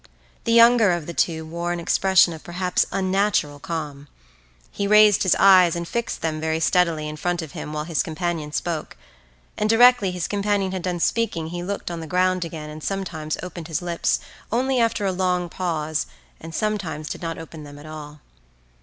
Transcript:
The younger of the two wore an expression of perhaps unnatural calm; he raised his eyes and fixed them very steadily in front of him while his companion spoke, and directly his companion had done speaking he looked on the ground again and sometimes opened his lips only after a long pause and sometimes did not open them at all.